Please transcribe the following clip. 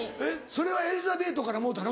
それはエリザベートからもろうたの？